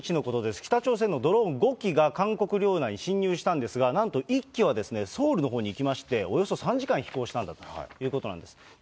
北朝鮮のドローン５機が、韓国領内に侵入したんですが、なんと１機はソウルのほうに行きまして、およそ３時間飛行したんだということなんです。